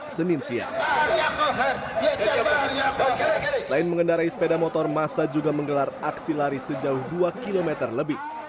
senin siang selain mengendarai sepeda motor masa juga menggelar aksi lari sejauh dua km lebih